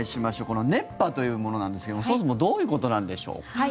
この熱波というものなんですがそもそもどういうことなのでしょう。